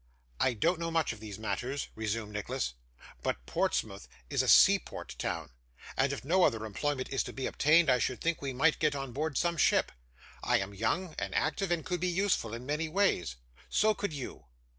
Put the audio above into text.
'I don't know much of these matters,' resumed Nicholas; 'but Portsmouth is a seaport town, and if no other employment is to be obtained, I should think we might get on board some ship. I am young and active, and could be useful in many ways. So could you.